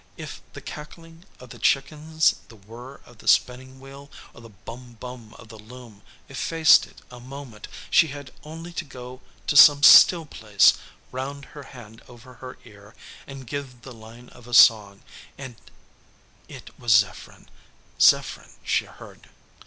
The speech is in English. If the cackling of the chickens, the whir of the spinning wheel, or the "bum bum" of the loom effaced it a moment, she had only to go to some still place, round her hand over her ear, and give the line of a song, and it was Zepherin Zepherin she heard.